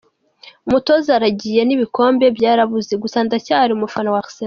Umutoza aragiye n’ibikombe byarabuze, gusa ndacyari umufana wa Arsenal.